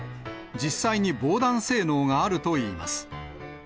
実際に防弾性能があるといいます。